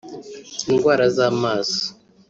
indwara z’amaso